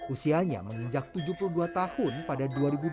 usianya menginjak tujuh puluh dua tahun pada dua ribu dua puluh